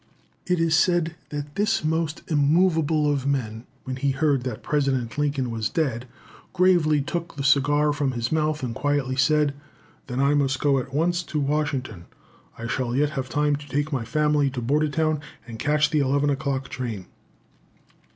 It is said that this most immovable of men, when he heard that President Lincoln was dead, gravely took the cigar from his mouth and quietly said, "Then I must go at once to Washington. I shall yet have time to take my family to Bordertown, and catch the eleven o'clock train."